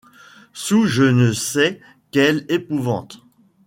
Sous je ne sais quelle épouvante